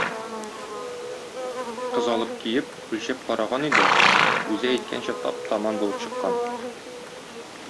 Кыз алып киеп, үлчәп караган иде, үзе әйткәнчә тап-таман булып чыккан.